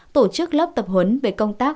tổ chức lớp tập huấn về công tác